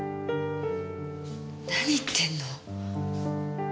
何言ってんの？